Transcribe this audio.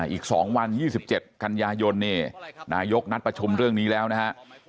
อีก๒วัน๒๗กันยายนนายกนัดประชุมเรื่องนี้แล้วนะฮะ